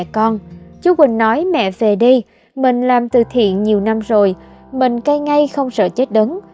con chú quỳnh nói mẹ về đi mình làm từ thiện nhiều năm rồi mình cai ngay không sợ chết đứng